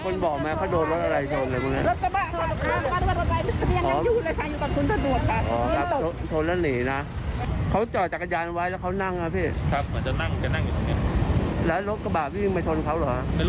แล้วรถกระบาดวิ่งมาชนเขาหรอ